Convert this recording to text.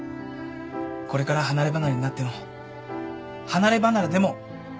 これから離れ離れになっても離れ離れでも家族だ。